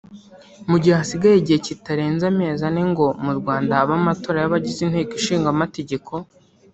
Mu gihe hasigaye igihe kitarenze amezi ane ngo mu Rwanda habe amatora y’abagize Inteko Ishinga Amategeko